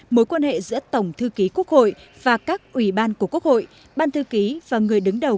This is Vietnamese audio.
mối quan hệ giữa tổng thư ký quốc hội và các ủy ban của quốc hội ban thư ký và người đứng đầu